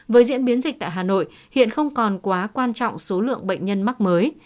với diễn biến dịch tại hà nội hiện không còn quá quan trọng số lượng bệnh nhân mắc mới